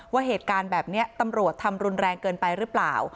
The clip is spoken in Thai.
ว่าเหตุการณ์แบบนี้ตำรวจทำรุนแรงเกินไปหรือเปล่า